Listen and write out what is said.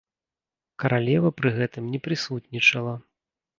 Каралева пры гэтым не прысутнічала.